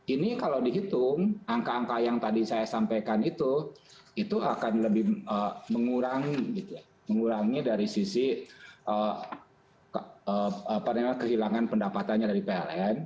ini kalau dihitung angka angka yang tadi saya sampaikan itu itu akan lebih mengurangi dari sisi kehilangan pendapatannya dari pln